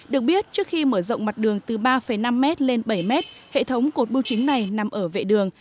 được biết trước khi mở rộng mặt đường từ ba năm m lên bảy m hệ thống cột bưu chính này nằm ở vệ đường